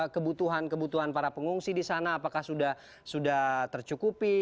kebutuhan kebutuhan para pengungsi di sana apakah sudah tercukupi